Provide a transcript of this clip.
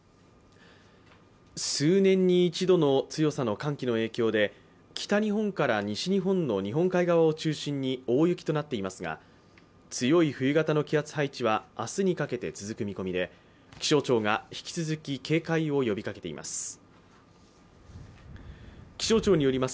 数年に一度の強さの寒気の影響で北日本から西日本の日本海側を中心に大雪となっていますが、強い冬型の気圧配置は明日にかけて続く見込みで気象庁が引き続き警戒を呼びかけています。